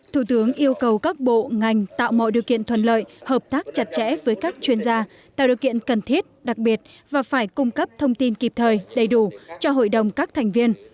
thủ tướng yêu cầu các bộ ngành tạo mọi điều kiện thuận lợi hợp tác chặt chẽ với các chuyên gia tạo điều kiện cần thiết đặc biệt và phải cung cấp thông tin kịp thời đầy đủ cho hội đồng các thành viên